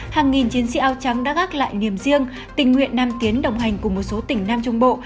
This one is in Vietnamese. hàng nghìn chiến sĩ áo trắng đã gác lại niềm riêng tình nguyện nam tiến đồng hành cùng một số tỉnh nam trung bộ